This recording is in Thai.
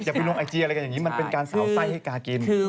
ไปลงไอจีอะไรกันอย่างนี้มันเป็นการสาวไส้ให้กากิน